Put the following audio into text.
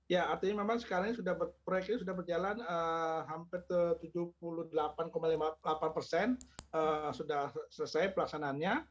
ya artinya memang sekarang ini sudah berjalan hampir tujuh puluh delapan delapan persen sudah selesai pelaksananya